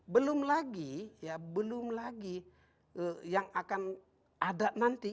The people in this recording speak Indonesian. belum lagi ya belum lagi yang akan ada nanti